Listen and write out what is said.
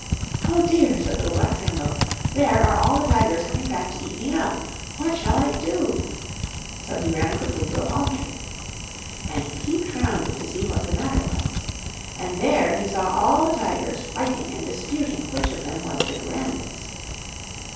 "Oh dear!" said Little Black Sambo, "There are all the Tigers coming back to eat me up! What shall I do?" So he ran quickly to a palm tree, And peeped round it to see what the matter was. And there he saw all the Tigers fighting and disputing which of them was the grandest.